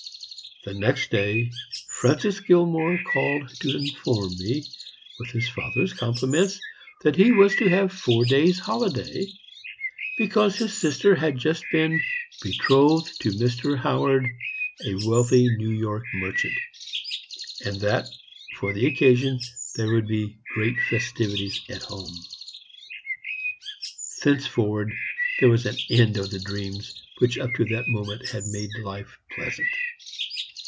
"The next day Francis Gilmore called to inform me, with his father's compliments, that he was to have four days' holidays, because his sister had just been betrothed to Mr. Howard, a wealthy New York merchant, and that, for the occasion, there would be great festivities at home. "Thenceforward there was an end of the dreams which up to that moment had made life pleasant.